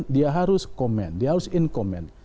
dia harus komen dia harus in comment